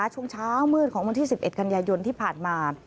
ช่วงเช้ามืดของวันที่๑๑กันยายนที่ผ่านมา